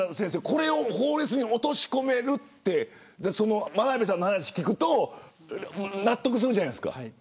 これを法律に落とし込めるって眞鍋さんの話を聞くと納得するじゃないですか。